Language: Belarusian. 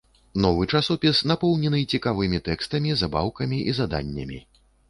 Новы часопіс напоўнены цікавымі тэкстамі, забаўкамі і заданнямі.